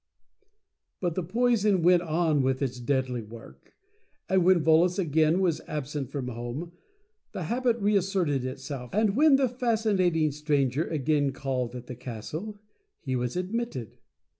But the poison went on with its deadly work. And when Volos again was absent from home, the habit reasserted itself, and when the Fascinating Stranger again called at the Castle, he was admitted.